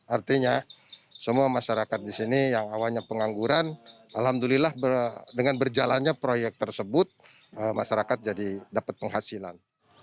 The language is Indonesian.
artinya semua masyarakat di sini yang awalnya pengangguran alhamdulillah dengan berjalannya proyek tersebut masyarakat jadi dapat penghasilan